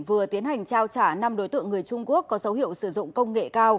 vừa tiến hành trao trả năm đối tượng người trung quốc có dấu hiệu sử dụng công nghệ cao